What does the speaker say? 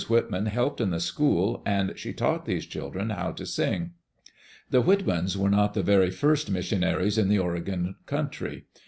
Whitman helped in the school, and she taught these children how to sing. The Whitmans were not the very first missionaries in the Oregon country.